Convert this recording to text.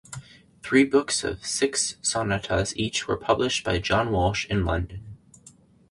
Three books of six sonatas each were published by John Walsh in London.